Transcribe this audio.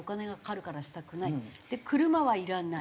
車はいらない。